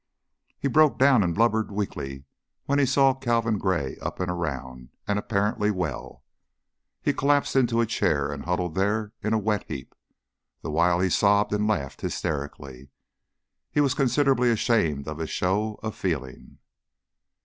He broke down and blubbered weakly when he saw Calvin Gray up and around and apparently well. He collapsed into a chair and huddled there in a wet heap, the while he sobbed and laughed hysterically. He was considerably ashamed of his show of feeling.